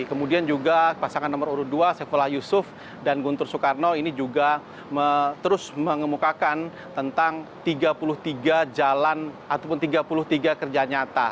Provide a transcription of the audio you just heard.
kemudian juga pasangan nomor urut dua saifullah yusuf dan guntur soekarno ini juga terus mengemukakan tentang tiga puluh tiga jalan ataupun tiga puluh tiga kerja nyata